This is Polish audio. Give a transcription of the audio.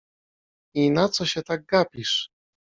I na co się tak gapisz?